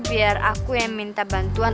biar aku yang minta bantuan